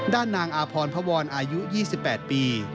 นางอาพรพวรอายุ๒๘ปี